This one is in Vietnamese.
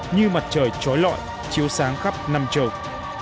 như mặt trời trói lọi chiếu sáng khắp năm châu